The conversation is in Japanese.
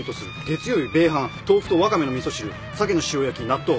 「月曜日米飯豆腐とワカメの味噌汁サケの塩焼き納豆。